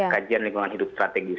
kajian lingkungan hidup strategis